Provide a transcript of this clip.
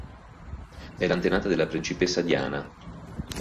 È l'antenata della principessa Diana.